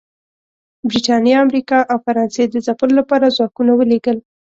برېټانیا، امریکا او فرانسې د ځپلو لپاره ځواکونه ولېږل